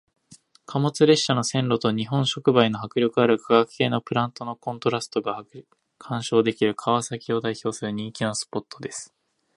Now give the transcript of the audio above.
貨物列車の線路と日本触媒の迫力ある化学系のプラントのコントラストが鑑賞できる川崎を代表する人気のスポットです。